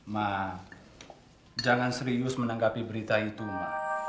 ma jangan serius menanggapi berita itu ma